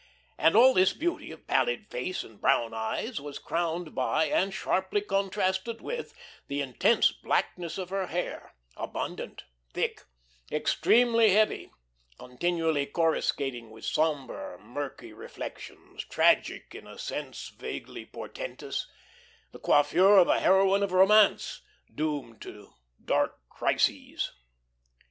And all this beauty of pallid face and brown eyes was crowned by, and sharply contrasted with, the intense blackness of her hair, abundant, thick, extremely heavy, continually coruscating with sombre, murky reflections, tragic, in a sense vaguely portentous, the coiffure of a heroine of romance, doomed to dark crises.